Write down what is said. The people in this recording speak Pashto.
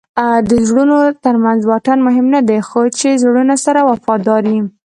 د زړونو ترمنځ واټن مهم نه دئ؛ خو چي زړونه سره وفادار يي.